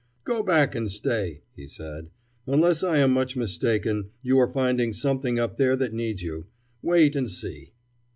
"Go back and stay," he said. "Unless I am much mistaken, you are finding something up there that needs you. Wait and see."